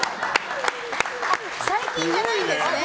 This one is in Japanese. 最近じゃないんですね。